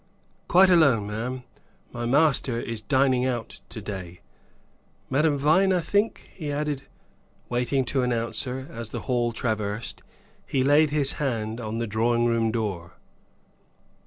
"Quite alone, ma'am. My master is dining out to day. Madame Vine, I think?" he added, waiting to announce her, as, the hall traversed, he laid his hand on the drawing room door.